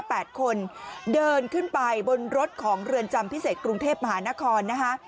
แปดคนเดินขึ้นไปบนรถของเรือนจำพิเศษกรุงเทพมหานครนะคะ